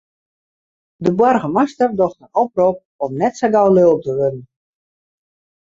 De boargemaster docht in oprop om net sa gau lulk te wurden.